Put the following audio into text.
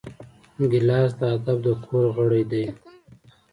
ګیلاس د ادب د کور غړی دی.